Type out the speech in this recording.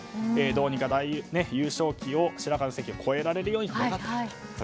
どうにか優勝旗白河の関を越えられるように願ってきた。